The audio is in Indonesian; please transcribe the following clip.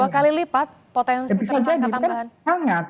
dua kali lipat potensi tersangka tambahan